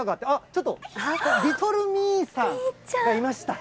ちょっとリトルミイさんがいました。